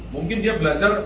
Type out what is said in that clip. mungkin dia belajar